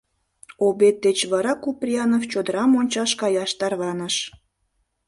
Обед деч вара Куприянов чодырам ончаш каяш тарваныш.